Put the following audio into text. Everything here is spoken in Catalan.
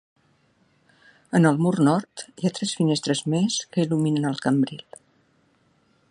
En el mur nord, hi ha tres finestres més que il·luminen el cambril.